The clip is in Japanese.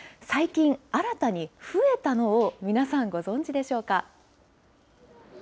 最近、新たに増えたのを皆さん、ご存じでしょうか。